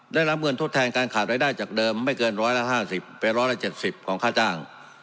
ได้รับเงินทดแทนการขาดรายได้จากเดิมไม่เกิน๑๕๐เป็น๑๗๐ของค่าจ้าง